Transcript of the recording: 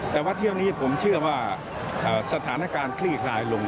แต่ว่าเที่ยวนี้ผมเชื่อว่าสถานการณ์คลี่คลายลง